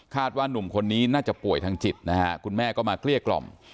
ว่านุ่มคนนี้น่าจะป่วยทางจิตนะฮะคุณแม่ก็มาเกลี้ยกล่อม